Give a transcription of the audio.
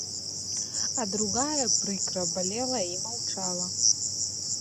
А другая прыкра балела і маўчала.